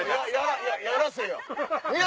やらせや！